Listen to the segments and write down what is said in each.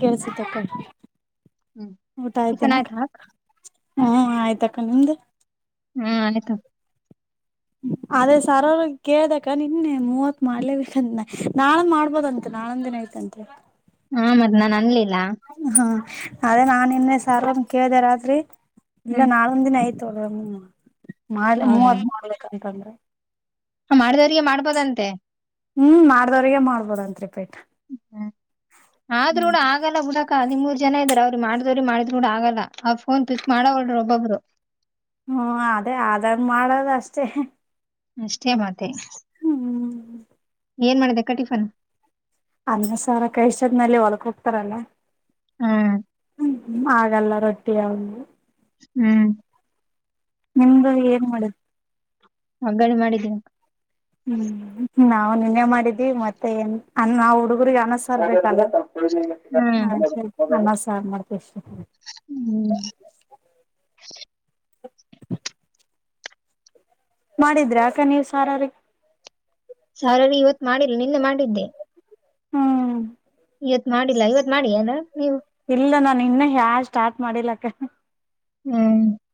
ಕೇಳ್ಸ ತಕ್ಕ ಹ್ಮ್ ಮತ್ತ ಟಿಫನ್ ಆಯ್ತೇನ ಆಯ್ತಾ ಅಕ್ಕಾ. ಹ್ಮ ಆಯ್ತ ಅಕ್ಕ ನಿಮ್ದ ಹ್ಮ್ ಆಗೆತ್ ಆಲ್ ಅದೇ ಸರ್ ಅವ್ರಗೆ ಕೇಳ್ದೆ ಅಕ್ಕಾ ನಿನ್ನೆ ಮೂವತ್ ಮಾಡ್ಲೇಬೇಕಂತ ನಾಳೆ ಮಾಡ್ಬೋದಂತ ನಾಳಂದ ದಿನ ಆಯಿತೆ. ಅಂತ. ಹಾ ಮತ್ ನಾನ್ ಅನ್ಲಿಲ್ಲ. ಹ್ಮ ಅದೇ ನಾ ನಿನ್ನೆ ಸರ್ನ ಕೇಳಿದೆೆ ರಾತ್ರಿ ಇಲ್ಲ ಹ್ಮ್ ನಾಳ ಇನ್ನೊಂದ್ ದಿನ ಐತ ಒಳ ಮಾಡ್ ಹೌದಾ ಮೂವತ್ ಮಾಡ್ಬೇಕ ಅಂತಂದ್ರ. ಮಾಡಿದವ್ರಿಗೆ ಮಾಡ್ಬೋದಂತೆ. ಹ್ಮ್ ಮಾಡ್ದವ್ರಗ ಮಾಡ್ಬೋದಂತ್ ರಿಪೀಟ್. ಹ ಆದ್ರರು ಕೂಡ ಆಗಲ್ಲ ಬಿಡಕ್ಕ ಹದಿಮೂರ್ ಜನ ಇದ್ದಾರ ಅವ್ರಿ ಮಾಡ್ದವ್ರಿ ಮಾಡಿದ್ರು ಕೂಡ ಆಗಲ್ಲ. ಅವ್ರ ಫೋನ್ ಪಿಕ್ ಮಾಡವಾರ ಒಬೊಬ್ಬರು ಹ್ಮ ಅದೇ ಆದಾಗ ಮಾಡೋದ ಅಷ್ಟೇ. ಅಷ್ಟೇ ಮತ್ತೆ ಹ್ಮ್. ಏನ್ ಮಾಡಿದೆ ಅಕ್ಕ ಟಿಫನ್? ಅನ್ನ ಸಾರ ಕೈ ಇಷ್ಟೋತ್ನಲ್ಲಿ ಹೊಲಕ್ ಹೋಗ್ತಾರಲ್ಲ. ಹ್ಮ್ ಆಗಲ್ಲ ರೊಟ್ಟಿ ಅವು ಇವು ಹ್ಮ್. ನಿಮ್ದು ಏನ್ ಮಾಡುದ? ವಗ್ಗರಣಿ ಮಾಡಿದೇ ಅಕ್ಕಾ. ಹ್ಮ್ ನಾವು ನಿನ್ನೆ ಮಾಡಿದ್ದೀವಿ ಮತ್ತೆ ಏನ್ ನಾವ ಅನ್ನ ಹುಡುಗರಿಗೆ ಅನ್ನ ಸಾರ ಬೇಕಲ್ಲ. ಹ್ಮ್. ಅನ್ನ ಸಾರ್ ಮಾಡ್ತಿ ಅಷ್ಟೇ. ಹ್ಮ್. ಮಾಡಿದ್ರೆ ಅಕ್ಕಾ ನೀವ್ ಸಾರ ಅವ್ರಿಗೆ ಸ್ಯಾಲರಿ ಇವತ್ ಮಾಡಿಲ್ಲ ನಿನ್ನೆ ಮಾಡಿದ್ದೆ. ಹ್ಮ್. ಇವತ್ ಮಾಡಿಲ್ಲಾ ಇವತ್ ಮಾಡಿ ಅಲ್ಲ ನೀವು? ಇಲ್ಲ ನಾನು ಇನ್ನ ಯಾವ್ ಸ್ಟಾರ್ಟ್ ಮಾಡಲಿಕ್ಕ ಹ್ಮ್.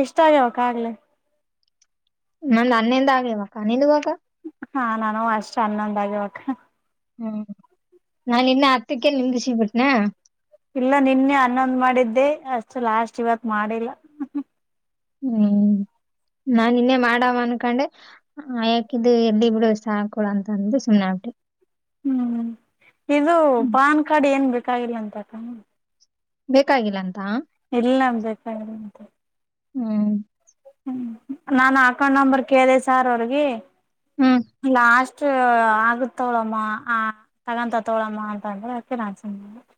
ಎಷ್ಟ ಆಗ್ಯಾವಕ್ಕಾಗಲೆ ನಮ್ದ್ ಹನ್ನೆಂದ್ಯಾಗವಕ ನಿಂದವೂ ಅಕ್ಕಾ? ಹಾ ನನ್ನುವು ಅಷ್ಟೇ ಹನ್ನೊಂದ ಆಗ್ಯಾವಕ್ಕ. ಹ್ಮ ನಾ ನಿನ್ನೆ ಹತ್ತಕ್ಕೆ ನಿಂದಿಸಿಬಿಟ್ನಾ ಇಲ್ಲ ನಿನ್ನೆ ಹನ್ನೊಂದ್ ಮಾಡಿದ್ದೆ ಅಷ್ಟು ಲಾಸ್ಟ್ ಇವತ್ ಮಾಡಿಲ್ಲ. ಹ್ಮ್ ನಾ ನಿನ್ನೆ ಮಾಡವ ಅನ್ಕೊಂಡೆ ಯಾಕಿದು ಎಲ್ಲಿ ಬಿಡು ಸಾಕಲ್ಲ ಅಂತ ಅಂದೆ ಸುಮ್ಮನ್ಗಾಬಿಟ್ಟೆ. ಹ್ಮ್ ಇದು ಹ್ಮ್. ಪಾನ್ ಕಾರ್ಡ್ ಏನು ಬೇಕಾಗಿಲ್ಲ ಅಂತಕ್ಕ ಬೇಕಾಗಿಲ್ಲ ಅಂತ ಇಲ್ಲ ಬೇಕಾಗಿಲ್ಲ ಅಂತೆ. ಹ್ಮ್. ಹ್ಮ ನಾನ ಅಕೌಂಟ್ ನಂಬರ್ ಕೇಳಿದೆ ಸಾರ್ ಅವ್ರಗಿ ಹ್ಮ್ ಲಾಸ್ಟ್ ಅಷ್ಟ ಆಗತೋಗಳಮ್ಮ ಆ ಆಗತೋಗಳಮ್ಮ ಅಂತ ಅಂದ್ರೆ ಅಕೆ ನಾನ ಸುಮ್ನ ಆಗಿಬಿಟ್ಟೆ.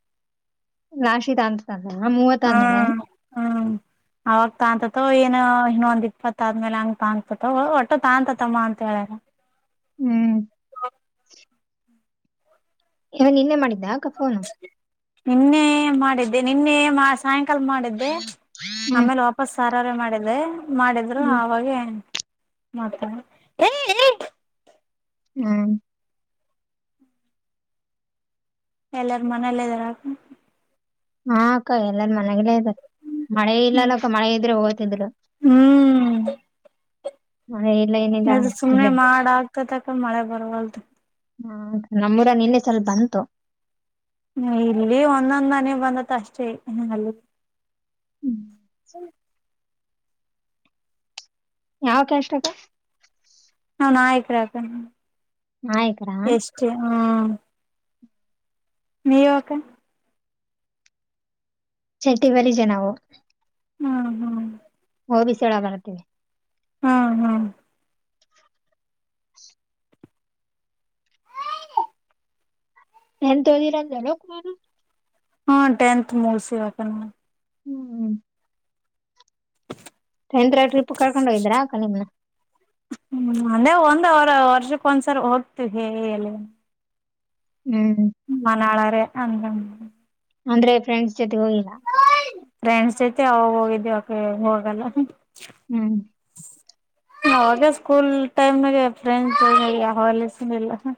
ರಾಶಿದ ಅಂತ ಅ ಮೂವತ್ತ ಆದ್ಮೇಲೆ ಹಾ ಅವಾಗ ತಾತತೋ ಏನು ಇನ್ನೊಂದ್ ಇಪ್ಪತ್ತ ಆದ್ಮೇಲೆ ಹಂಗ ತ ತಾತೊಂತಮ್ಮ ಒಟ್ಟು ತಾಂತದಮ್ಮ ಅಂತ ಹೇಳ್ಯಾರ ಹ್ಮ್ ಏನ್ ನಿನ್ನೆ ಮಾಡಿದ್ದ ಅಕ್ಕಾ ಫೋನು ನಿನ್ನೆ ಮಾಡಿದ್ದೆ ನಿನ್ನೆ ಸಾಯಂಕಾಲ ಮಾಡಿದ್ದೆ ಹ್ಮ್ ಆಮೇಲಾ ಹೊಸಾರಾರ ಮಾಡಿದ್ದೆ ಮಾಡಿದ್ರು ಹ್ಮ್ ಆವಾಗೇ ಮಾಡಿದ್ದೆ ಹೇ..... ಹ್ಮ ಎಲ್ಲಾರ ಮನೇಲ್ಲ ಇದ್ದಾರಕ ಹಾ ಅಕ್ಕ ಎಲ್ಲಾರ ಮನೆಗೇ ಇದಾರೆ ಮಳೆ ಹ್ಮ್ ಇಲ್ಲಲ್ಲ ಅಕ್ಕ ಮಳೆ ಇದಿದ್ರೆ ಹೋಯ್ತಿದ್ರು ಮಳೆ ಇಲ್ಲ ಇಲ್ಲಿ ಸುಮ್ನೆ ಮಾಡ ಆಗ್ತತಕ ಮಳೆ ಬರವಲ್ದು ಹಾ ನಮ್ಮೂರಾಗ ನಿನ್ನೆ ಸ್ವಲ್ಪ ಬಂತು ಇಲ್ಲಿ ಒಂದೊಂದ್ ಹನಿ ಬಂದತ್ ಅಷ್ಟೇ ಹ್ಮ್. ಯಾವ ಕ್ಯಾಸ್ಟ್ ಕ್ಕಾ ನಾವು ನಾಯಕರ ಅಕ್ಕ ನಾವು ನಾಯಕರ ಹ್ಮ್ ನೀವು ಅಕ್ಕ ಚಟಿ ಬರಿಜಾ ನಾವು ಹ್ಮ್ ಹ್ಮ್ ಓಬಿಸಿ ವೋಲಗ ಬರ್ತೀವಿ ಹ್ಮ ಹಾ ಟೆಂತ್ ಓದಿರಲ್ಲಕ್ಕ ನೀವು ಹ್ಮ ಟೆಂತ್ ಮುಗಿಸಿವಿ ಅಕ್ಕ ನಾವು ಹ್ಮ್ ಟೆಂತ್ ರಾಗ ಟ್ರಿಪ್ ಕರ್ಕೊಂಡು ಹೋಗಿದ್ರಾ ಅಕ್ಕ ನಿಮ್ಮನ್ನ ಹ್ಮ ಅಂದೆ ಒಂದ್ ಅವರ ವರ್ಷಕ್ ಒಂದ್ಸರ್ ಹೋಗ್ತವಿ ಹೇಲ್ಲಿ ಹ್ಮ್ ಹ ಮ ನಾಳಾರೆ ಅಂದಂಗ ಅಂದ್ರೆ ಫ್ರೆಂಡ್ಸ್ ಜೊತೆ ಹೋಗಿಲ್ಲ ಫ್ರೆಂಡ್ಸ್ ಜೊತಿ ಅವಾಗ ಹೋಗಿದ್ದೀವಕೆ ಹೋಗಲ್ಲ ಹ್ಮ್ ಅವಗೆ ಸ್ಕೂಲ್ ಟೈಮ್ನಾಗೆ ಫ್ರೆಂಡ್ಸ್ ಜೊತೆ ಹೋಗ್ಲಾತಿಲ್ ಇಲ್ಲ ಅಕ್ಕಾ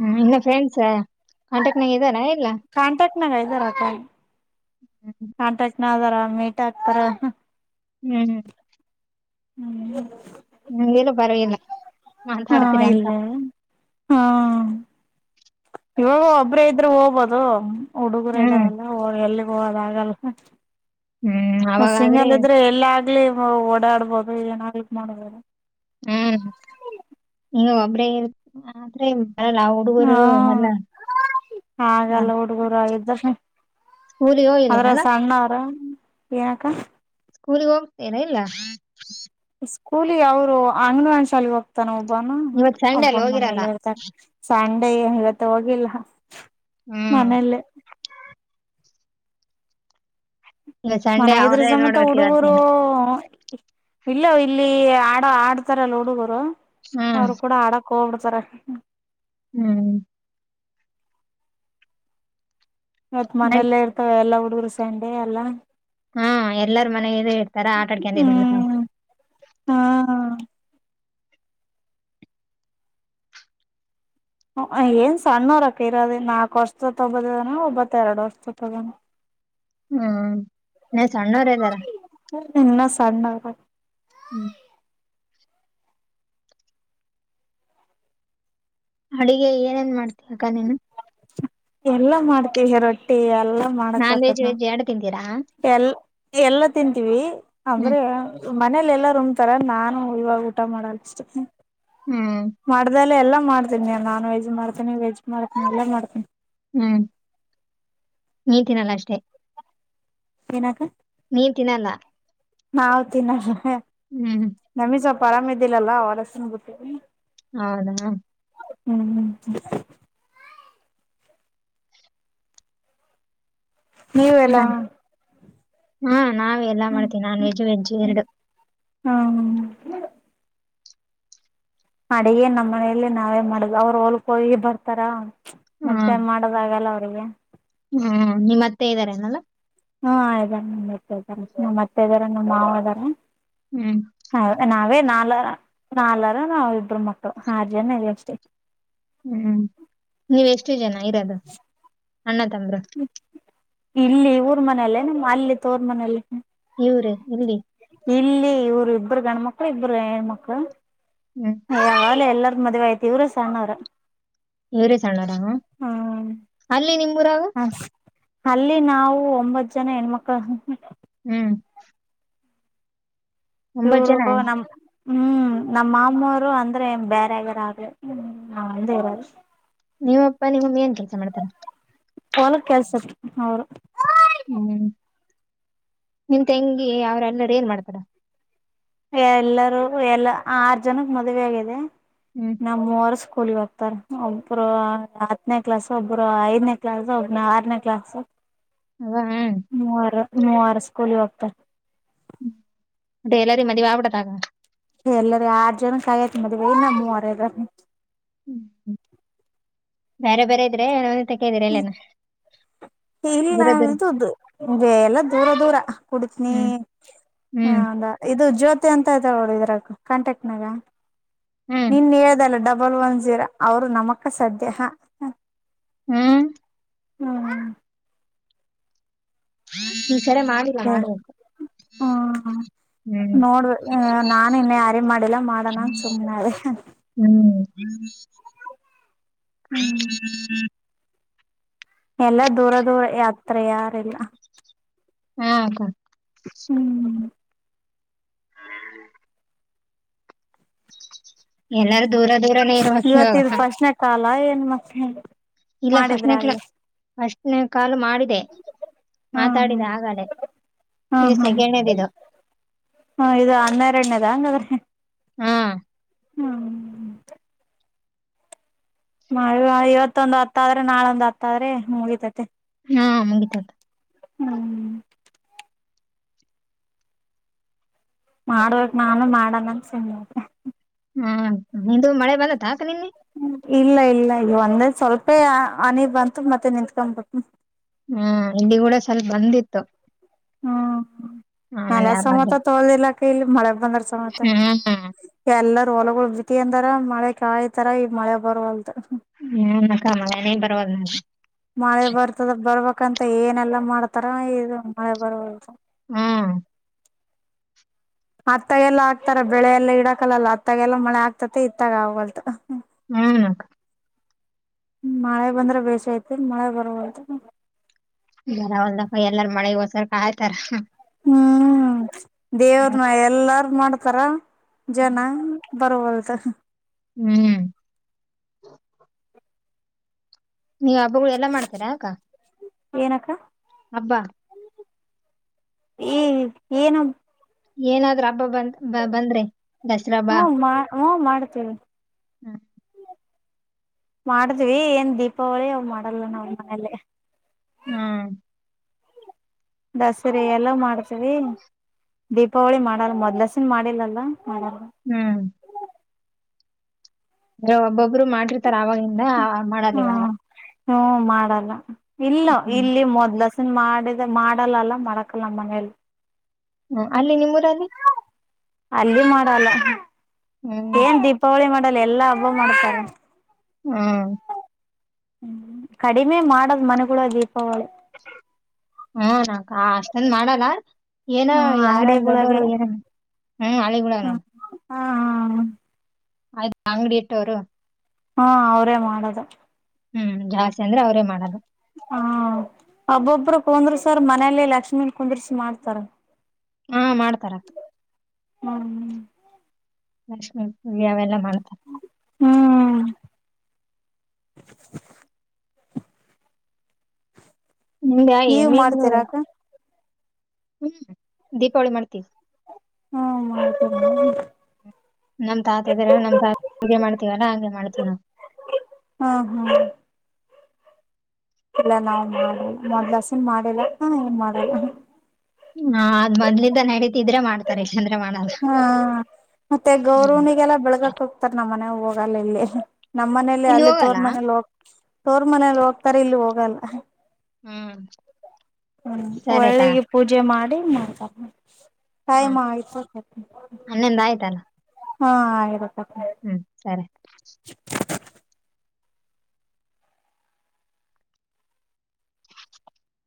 ಹ್ಮ್ ಇನ್ನ ಫ್ರೆಂಡ್ಸ್ ಕಾಂಟೆಕ್ಟ್ ನಾಗ ಇದ್ದಾರಾ ಇಲ್ಲಾ. ಕಾಂಟ್ಯಾಕ್ಟ್ ನಾಗ ಇದ್ದಾರ ಕ ಕಾಂಟಾಕ್ಟ್ನ ಅದಾರ ಮೀಟ್ ಆಕ್ತಾರ ಹೂ ಹೂ ಹ್ಮ್ ಹ್ಮ ನಿಂಗ್ ಏನು ಬ್ಯಾರೆಗಿಲ್ಲಾ ಹಾ ಇಲ್ಲಾ ಹ್ಮ ಇವಾಗ ಒಬ್ರೇ ಇದ್ರರು ಹೋಗ್ಬೋದು ಹುಡುಗರು ಹ್ಮ್ ಇದ್ದಾವಲ್ಲ ಹ ಎಲ್ಲಿಗೆ ಹೋಗದಾಗಲ್ಲ ಹ್ಮ್ ಅವಾಗಾದ್ರೆ ಸಿಂಗಲ್ ಇದ್ರೆ ಎಲ್ಲ ಆಗ್ಲಿ ಓಡಾಡ್ಬೋದು ಏನರಾ ಮಾಡ್ಬೋದು ಹ್ಮ್ ನೀವು ಒಬ್ರೇ ಇರ್ ಆದ್ರೆ ಹಾ ಹುಡುಗರು ಎಲ್ಲ ಹಾಗಲ್ಲ ಊ ಹುಡುಗೂರ ಎ ಸ್ಕೂಲಿಗೆ ಅದ್ರ ಹೋಗಿಲ್ಲೇನಲ್ಲ ಸಣ್ಣವರ ಏನಕ್ಕ ಸ್ಕೂಲಿಗೆ ಹೋಗ್ತಿರ ಇಲ್ಲ ಸ್ಕೂಲಿ ಅವ್ರು ಅಂಗ್ನವಾನ್ ಶಾಲೆಗೆ ಹೋಗ್ತಾನ ಒಬ್ಬನು ಇವತ್ ಸಂಡೆ ಅಲ್ಲಿ ಒಬ್ಬನ ಹೋಗಿರಲ್ಲ ಮನೆಯಲ್ಲ ಇರ್ತಾರೆ ಸಂಡೆ ಏನ್ ಇವತ್ತು ಹೋಗಿಲ್ಲ ಹ್ಮ್ ಮನೇಲ ಇವತ್ ಸಂಡೆ ಮಾನ್ಯಾಗ್ ಇದ್ರ ಅವ್ರೇ ಸಮತ ನೋಡ್ಬೇಕು ಇವತ್ ಹುಡುಗರು ನೀನು ಇಲ್ಲ ಇಲ್ಲಿ ಆಡ ಆಡ್ತಾರಲ್ಲ ಹುಡುಗರು ಹ್ಮ್ ಅವರು ಕೂಡ ಆಡಕ್ ಹೋಗಬಿಡ್ತಾರ ಹ್ಮ್ ಇವತ್ ಮನೆಯಲ್ಲೇ ಇರ್ತವೆ ಎಲ್ಲಾ ಹುಡುಗರು ಸಂಡೆ ಎಲ್ಲಾ ಹಾ ಎಲ್ಲಾರ ಮನೆಗೆ ಇಡ್ತಾರ ಆಟ ಆಡ್ಕಂತ ಇರ್ತಾರಾ ಹ್ಮ್ ಹಾ ಏನ್ ಸಣ್ಣರಕ್ ಇರೋದ ನಾಲ್ಕು ವರ್ಷದ ತಗೋದದಾನ ಒಬತ್ತ ಎರಡು ವರ್ಷದ ತೊಗೋನ ಹ್ಮ್ ನ ಸಣ್ಣವರ ಇದ್ದಾರ ಹು ಇನ್ನ ಸಣ್ಣ ಹ್ಮ್ ಅಡುಗೆ ಏನೇನ್ ಮಾಡ್ತಕ ನೀನು ಎಲ್ಲ ಮಾಡ್ತೀವಿ ರೊಟ್ಟಿ ಎಲ್ಲ ನಾನ್ ವೆಜ್ ವೆಜ್ ಎರಡು ತಂತೀರಾ ಎಲ್ಲ ಎಲ್ಲ ತಿಂತವಿ ಹ್ಮ್ ಅಂದ್ರೆ ಮನೇಲೆ ಎಲ್ಲಾ ರುಮ್ತಾರ ನಾನು ಇವಾಗ ಊಟ ಮಾಡಲ್ಷ್ಟು ಹ್ಮ್ ಮಾಡ್ದಲ್ಲ ಎಲ್ಲ ಮಾಡ್ತೀನಿ ನಾನ್ ವೆಜ್ ಮಾಡ್ತನಿ ವೆಜ್ ಮಾಡ್ತೀನಿ ಎಲ್ಲ ಮಾಡ್ತೀನಿ ಹ್ಮ್ ನೇತೀನಲ್ಲ ಅಷ್ಟೇ ಏನಕ ನೀನ್ ತಿನ್ನಲ್ಲ ನಾವ ತಿನ [unintelligible] ಹ್ಮ್ ನಮಿಗ್ ಸ್ವಲ್ಪ ಆರಾಮ ಇದ್ದಿಲ್ಲಲ್ಲಾ ಅವರಸನ್ ಗಟ್ಟ ಹೌದಾ ಹ್ಮ್ ಹ್ಮ್ ಹ್ಮ ನೀವೆಲ್ಲಾ ಹ್ಮ್. ಹಾ ನಾವ ಎಲ್ಲಾ ಮಾಡ್ತೀವಿ ನಾನ್ ವೆಜ್ ವೆಜ್ ಎರಡು ಹ್ಮ ಹ ಅಡಿಗೆ ನಮ್ಮ್ ಮನೆಯಲ್ಲಿ ನಾವೇ ಮಾಡುದು ಅವ್ರು ಹೋಲ್ಕ ಹೋಗಿ ಬರ್ತಾರ ಹ್ಮ್ ಮತ್ತೆ ದಾಗಲ್ಲ ಅವರಿಗೆ ಹ್ಮ್ ನಿಮ್ಮ ಮತ್ತೆ ಇದ್ದಾರೆೇನಲ್ಲ ಹ್ಮ ಆಾರ ನಮ್ ಇದಾರ ನಮ್ಮ್ ಅತ್ತೆ ಇದಾರ ನಮ್ಮ್ ಮಾವದಾರ ಹ್ಮ್ ಹ ನಾವೇ ನಾಲ್ರ ನಾಲ್ರ ನಾವಿಬ್ರು ಮಕ್ಕಳು ಆರ್ ಜನ ಇ ಅಷ್ಟೇ ಹ್ಮ್ ನೀವೆಷ್ಟು ಜನ ಇರೋದು ಅಣ್ಣ ತಂಬರು ಇಲ್ಲಿ ಊರ್ ಮನೇಲ್ಲೇ ನಮ್ಮ ಅಲ್ಲಿ ತೋರ್ ಮನೇೆಯಲ್ಲಿ ಇವ್ರೇ ಇಲ್ಲಿ ಇಲ್ಲಿ ಇವರು ಇಬ್ಬರು ಗಂಡ್ಮಕ್ಳ ಇಬ್ಬರು ಹೆಣ್ಮಕ್ಳು ಹ್ಮ್ ಯಾವಲ್ಲ ಎಲ್ಲರ ಮದುವೆ ಆಯ್ತಿವ್ರ ಸಣ್ಣವ್ರ ಇವರೇ ಸಣ್ಣರ. ಹ್ಮ್ ಅಲ್ಲಿ ನಿಮ್ಮೂರಾಗ? ಹ ಅಲ್ಲಿ ನಾವು ಒಂಬತ್ತು ಜನ ಹೆಣ್ಮಕ್ಳ ಹ್ಮ್ ಒಂಬತ್ ಚೂರು ಜನ ನಮ್ ಹ್ಮ್ ನಮ್ಮ ಮಾಮ್ಮರು ಅಂದ್ರೆ ಬೇರೆಗಾರ ಆ್ರಂದ ಇರ ನಮ್ ಅಪ್ಪಾ ನಿಮ್ ಮಮ್ಮಿ ಏನ್ ಕೆಲಸ ಮಾಡ್ತಾರ? ಹೋಲಕ್ ಕೆಲ್ಸಕೆ ಅವರು ಹ್ಮ್. ನಿಮ್ ತೆಂಗಿ ಅವ್ರ ಎಲ್ಲರ ಏನ್ ಮಾಡ್ತಾರ? ಎಲ್ಲರೂ ಎಲ್ಲ ಆರ್ ಜನಕ್ ಮದ್ವೆ ಆಗಿದೆ. ಹ್ಮ್ ನಾವ್ ಮೂವರು ಸ್ಕೂಲಿಗೆ ಹೋಗ್ತಾರೆ. ಒಬ್ರು ಹತ್ತನೇ ಕ್ಲಾಸ್ ಒಬ್ರು ಐದನೇ ಕ್ಲಾಸ್. ಆರನೇ ಕ್ಲಾಸ್. ಹ್ಮ್ ಮುವಾರು ಮುವಾರು ಸ್ಕೂಲಿ ಹೋಗ್ತರ ್ಮ ಅ [unintelligible] ಎಲ್ಲಾರ ಮದ ವಬಡದಾಗ ಎಲ್ಲಾರ ಆರ್ ಜನಕ್ ಆಗೇತಿ ಮದ್ವೆ. ಇನ್ನ್ ಮೂವರ್ ಇದಾರೆ ಹ್ಮ್ ಬೇರೆ ಬೇರೆ ಇದ್ರೆ ಒಂದ ತಕ್ಕಿದೀರ ಎಲ್ಲೇನ ಇಲ್ಲ ದೂರ ದೂರ ಇದುದು ಎಲ್ಲ ದೂರ ದೂರ ಕುಡಿತನಿ ಹ್ಮ್ ಹ್ಮ್ ಹ ಇದು ಜ್ಯೋತಿ ಅಂತ ಇದಾರೆ ಒಬ್ರು ಇದ್ರಾಗ ಕಾಂಟ್ಯಾಕ್ಟ್ನಾಗ ಹ್ಮ್ ನಿನ್ ಹೇಳ್ದಲ್ಲ ಡಬಲ್ ಒನ್ ಜೀರೋ ಅವರು ನಮಕ್ಕ ಸಧ್ಯಹಾ ಹ್ಮ್ ಹ್ಮ್ ಈ ಸರಿ ಮಾಡಿಲ್ಲಾ? ಮಾಡ್ಬೇಕು. ಹಾ ಹ ಹ್ಮ್ ನೋಡಬೇಕ್ ನಾನ ಇನ್ನು ಯಾರಿ ಮಾಡಿಲ್ಲ ಮಾಡಣ ಅಂತ ಸುಮ್ನೇ ಅದೇ ಹ್ಮ್ ಹ್ಮ್ ಎಲ್ಲ ದೂರ ದೂರ ಅತ್ರ ಯಾರಿಲ್ಲ ಹಾಕ ಹ್ಮ್ ಹ್ಮ್ [inaudible] ಎಲ್ಲಾರು ದೂರ ದೂರ ಇವತ್ತಿದ ಫಾಸ್ಟ್ನೇ ಕಾಲ ಏನ್ ಮತ್ತ ಏನ ಇಲ್ಲ ಫಸ್ಟ್ನೇ ಕ ಫಸ್ಟ್ನೇ ಕಾಲ್ ಮಾಡಿದೆ ಹ್ಮ್ ಮಾತಾಡಿದೆ ಹ್ಮ್ ಹಾಗಾಲೇ ಹ್ಮ್ ಇದು ಹ್ಮ್ ಸೆಕೆಂಡ್ನೇದು ಇದು ಹ್ಮ ಇದು ಹನ್ನೆರಡನೇದಾ ಹಂಗಾದ್ರೆ ಹ್ಮ ಹ್ಮ್ ಅಯೋ ಇವತ್ತ್ ಒಂದ್ ಹತ್ ಆದ್ರೆ ನಾಳೊಂದು ಹತ್ತ ಆದ್ರೆ ಮುಗಿತೈತಿ ಹಾ ಮುಗಿತದ ರೀ ಹ್ಮ್ ಮಾಡ್ಬೇಕ ನಾನು ಮಾಡನಂತ ಸುಮ್ಮನಾದೆ. ಹ್ಮ ನಿಂದು ಮಳೆ ಬಂದತ್ತ ಅಕ್ಕ ನಿನ್ನೆ. ಇಲ್ಲ ಇಲ್ಲ ಈಗ ಒಂದೇ ಸ್ವಲ್ಪೇ ಹನಿ ಬರ್ತದೆ ಮತ್ತೆ ನಿತ್ಕೊಂಡ್ಬಟ್ಟು ಹ್ಮ್ ಇಲ್ಲಿ ಕೂಡ ಸ್ವಲ್ಪ ಬಂದಿತ್ತು ಹಾ ನಲ ಆಮೇಲೆ ಆ ಬಂದ ಸಮೇತ ತೋಳ್ದಿಲ್ಲಕ್ಕ ಇಲ್ಲಿ ಮಳೆ ಬಂದರ ಸಮೇತ. ಹ್ಮ್ ಎಲ್ಲರ್ ಹೊಲಗೊಳ್ ಬಿತ್ತಿಗ್ಯಂದರ ಮಳೆ ಕಾಯ್ತಾರ ಈಗ್ ಮಳೆ ಬರವಲ್ತ್. ಏನ್ ಅಕ್ಕಾ ಮಳೆನೇ ಬರವಲ್ [unintelligible] ಮಳೆ ಬರ್ತದ ಬರ್ಬೇಕಂತ ಏನೆಲ್ಲಾ ಮಾಡ್ತಾರ ಇದು ಮಳೆ ಬರವಲ್ತು. ಹಾ ಅತ್ತಗೆಲ್ಲ ಆಗ್ತಾರ ಬೆಳೆ ಎಲ್ಲಾ ಇಡಾಕಲ್ಲಲ ಅತ್ತಗೆ ಎಲ್ಲ ಮಳೆ ಆಗ್ತತೆ ಇತ್ತಾಗ್ ಆಗವಲ್ತು. ಹ್ಮ ಮಳೆ ಬಂದ್ರೆ ಬೇಷ ಐತಿ ಮಳೆ ಬರವಲ್ತು. [unintelligible] ಎಲ್ಲಾರ ಮಳೆಗೋಸ್ಕ್ರ ಕಾಯ್ತಾರ. ಹ್ಮ ದೇವ್ರನ ಎಲ್ಲಾರ ಮಾಡ್ತಾರ ಜನ ಬರವಲ್ತು. ಹ್ಮ ನೀವ್ ಹಬ್ಬಗಳು ಎಲ್ಲಾ ಮಾಡ್ತೀರಾ ಅಕ್ಕಾ? ಏನಕ್ಕಾ? ಹಬ್ಬ ಏ ಏನ್ ಹಬ್? ಏನಾದ್ರೂ ಹಬ್ಬ ಬಂದ್ ಬ ಬಂದ್ರೆ ದಸರಾ ಹಬ್ಬ. ಹ ಹೂಂ ಮಾಡ್ತೇನೆ. ಹ್ಮ ಮಾಡಿದ್ವಿ ಏನ್ ದೀಪಾವಳಿ ಅವ್ ಮಾಡಲ್ಲ ನಾವ್ ಮನೇಲಿ. ಹ್ಮ ದಸರೆ ಎಲ್ಲ ಮಾಡ್ತವಿ ದೀಪಾವಳಿ ಮಾಡಲ್ ಮದಲಸಿನ್ ಮಾಡಿಲ್ಲ ಅಲ್ಲ ಮಾಡಲ್ಲ. ಹ್ಮ ಆದ್ರೆ ಒಬ್ಬೊಬ್ರು ಮಾಡಿರ್ತಾರ ಆವಾಗಿಂದ ಮಾಡಲ್ಲ ಇವಾಗ. ಹ್ಮ್ ಹ್ಮ ಮಾಡಲ್ಲ ಇಲ್ಲ ಹ್ಮ್ ಇಲ್ಲಿ ಮೊದ್ಲ ಮಾಡಿದ ಮಾಡಲ್ಲಲ್ಲ ಮಾಡಕಲ್ ನಮ್ಮ ಮನೇಲಿ. ಹ್ಮ ಅಲ್ಲಿ ನಿಮ್ಮ ಊರಲ್ಲಿ? ಅಲ್ಲಿ ಮಾಡಲ್ಲ ಹ್ಮ್ ಏನ್ ದೀಪಾವಳಿ ಮಾಡಲ್ಲ ಎಲ್ಲಾ ಹಬ್ಬ ಮಾಡ್ತಾರ. ಹ್ಮ [unintelligible] ಕಡಿಮೆ ಮಾಡದ್ ಮನೆಗುಳಗ್ ದೀಪಾವಳಿ. ಹ್ಮ ಅಕ್ಕ ಅಷ್ಟೊಂದ್ ಮಾಡಲ್ಲ ಏನೋ ಹ್ಮ ಯಾರ ಅಂಗಡಿಗಳಗೆ ದೊಡ್ಡೋರು ಏನ ಹ್ಮ [unintelligible] ಹ್ಮ ನೋಡ್ ಹ ಆಯ್ತಾ ಅಂಗಡಿ ಇಟ್ಟೋರು ಹಾ ಅವರೇ ಮಾಡದು. ಹ್ಮ ಜಾಸ್ತಿ ಅಂದ್ರೆ ಅವ್ರೇ ಮಾಡದು. ಹಾ ಒಬ್ಬೊಬ್ರು ಕುಂದ್ರಸರ್ ಮನೇಲಿ ಲಕ್ಷ್ಮೀ ನ್ ಕುಂದ್ರಸಿ ಮಾಡ್ತಾರ. ಹಾ ಮಾಡ್ತಾರ ಅಕ್ ಹ್ಮ ಹ್ಮ ಲಕ್ಷೀ. [unintelligible] ಅವೆಲ್ಲ ಮಾಡ್ತಾರೆ. ಹ್ಮ ನಿಮ್ದ ನೀವ್ [unintelligible] ಮಾಡ್ತೀರಾಕ ಹ್ಮ ದೀಪಾವಳಿ ಮಾಡ್ತೀವಿ. ಹ್ಮ [unintelligible] ನಮ್ ತಾತ ಇದಾರೆ ನಮ್ [unintelligible] ಮಾಡ್ತೀವಲ್ಲಾ ಹಂಗೆ ಮಾಡ್ತೀವಿ ನಾವು. ಹ್ಮ ಹಾ. ಇಲ್ಲ ನಾವ್ ಮಾಡ ಮೊದ್ಲಾಸಿನ್ ಮಾಡಿಲ್ಲಾ ಹತ ಏನ್ ಮಾಡಲಹ. ನಾವ್ ಹಾದ್ ಮೊದ್ಲಿಂದ ನಡತಿದ್ರೆ ಮಾಡ್ತ ತರಿಷಚಂದ್ರ ಮಾ ಹಾ ಹ ಮತ್ತೆ ಗೌರವನಿಗೆಲ್ಲ ಬೆಳಳ್ಗಕ್ ಹೋಗ್ತಾರ ನಮ್ಮ್ ಮನೆ ಹೋಗಲ್ಲ ಇಲ್ಲಿ. ನಮ್ಮ್ ಮನೇಲಿ ಇಲ್ಲಿ ಅಲ್ಲಿ ಹೋಗಲ್ಲ ತೋರ್ ಮನೇಲಿ ಹೋಗ ತೋರ್ ಮನೇಲಿ ಹೋಗ್ತಾರೆ ಇಲ್ಲಿ ಹೋಗಲ್ಲ. ಹ್ಮ್ ಹ್ಮ ಸರಿ ತಾ ಒಳ್ಳೆಗೆ ಪೂಜೆ ಮಾಡಿ ಮಾಡ್ತಾ ಟೈಮ್ ಹ್ಮ್ ಆಯ್ತು [unintelligible] ಹನ್ನೊಂದ್ ಆಯ್ತಲ್ಲ ಹಾ ಆಗ್ಯಾದಕ. ಹ್ಮ್ ಸರಿ. ಚುಪ್.